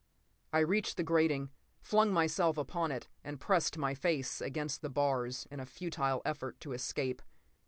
I reached the grating, flung myself upon it and pressed my face against the bars in a futile effort to escape.